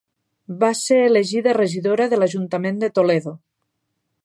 Va ser elegida regidora de l'Ajuntament de Toledo.